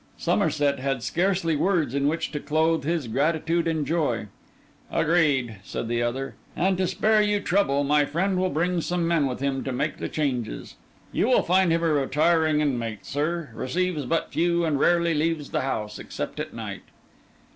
Somerset had scarcely words in which to clothe his gratitude and joy. 'Agreed,' said the other; 'and to spare you trouble, my friend will bring some men with him to make the changes. You will find him a retiring inmate, sir; receives but few, and rarely leaves the house, except at night.